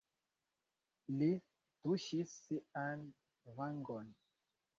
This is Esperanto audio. Li tuŝis sian vangon.